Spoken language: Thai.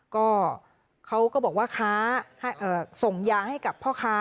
ก็เขาก็บอกว่าค้าส่งยาให้กับพ่อค้า